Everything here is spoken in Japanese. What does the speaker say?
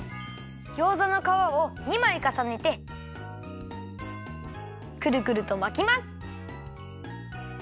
ギョーザのかわを２まいかさねてくるくるとまきます。